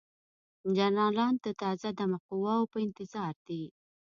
جنرالان د تازه دمه قواوو په انتظار دي.